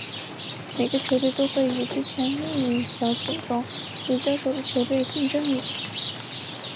每个球队都会与之前另一小组中未交手的球队竞争一次。